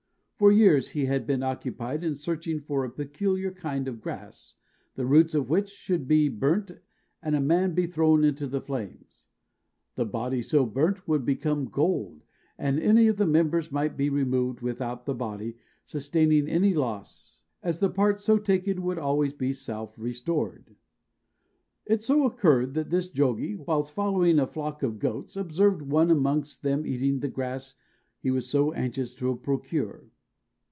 For years he had been occupied in searching for a peculiar kind of grass, the roots of which should be burnt, and a man be thrown into the flames. The body so burnt would become gold, and any of the members might be removed without the body sustaining any loss, as the parts so taken would always be self restored. It so occurred that this Jogie, whilst following a flock of goats, observed one amongst them eating of the grass he was so anxious to procure.